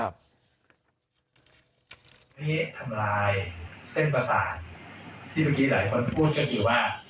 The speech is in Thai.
นี่ทำลายเส้นประสาทที่เมื่อกี้หลายคนพูดกันอยู่ว่า